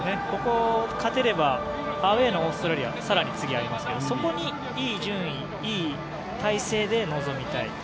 ここ、勝てればアウェーのオーストラリア更に次もありますがそこにいい順位いい体制で臨みたい。